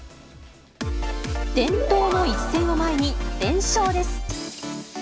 伝統の一戦を前に、連勝です。